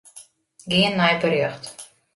Gean nei berjocht.